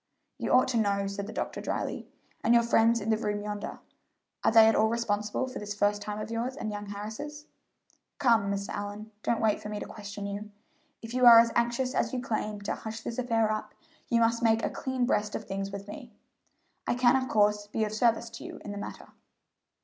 "You ought to know," said the doctor dryly. "And your friends in the room yonder, are they at all responsible for this first time of yours and young Harris's? Come, Mr. Allyn, don't wait for me to question you. If you are as anxious as you claim to hush this affair up, you must make a clean breast of things with me. I can, of course, be of service to you in the matter."